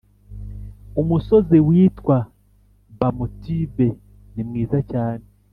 umusozi witwa Bamotibe ni mwiza cyane